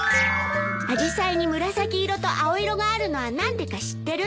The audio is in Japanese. アジサイに紫色と青色があるのは何でか知ってる？